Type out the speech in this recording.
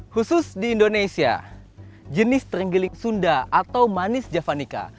khusus di indonesia jenis terenggiling sunda atau manis javanica